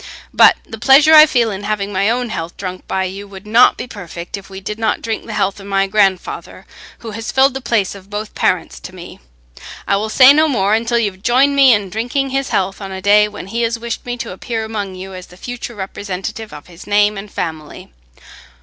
But the pleasure I feel in having my own health drunk by you would not be perfect if we did not drink the health of my grandfather, who has filled the place of both parents to me. I will say no more, until you have joined me in drinking his health on a day when he has wished me to appear among you as the future representative of his name and family."